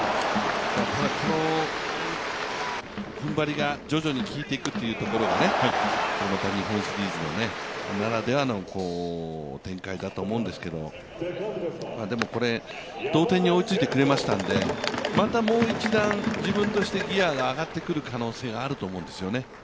この踏ん張りが徐々にきいてくるというところが日本シリーズならではの展開だと思うんですけど、でもこれ、同点に追いついてくれましたんで、またもう一段、自分としてギヤが上がってくる可能性があると思うんですよね。